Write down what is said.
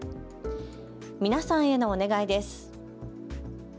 皆さんへのお願いです。